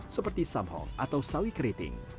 seperti samhong atau sawi keriting